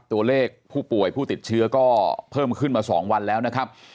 ตัวเลขผู้ป่วยผู้ติดเชื้อก็เพิ่มขึ้นมา๒วันแล้วนะครับ